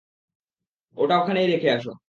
ওটা ওখানেই রেখে আসো!